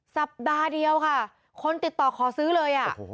สัปดาห์เดียวค่ะคนติดต่อขอซื้อเลย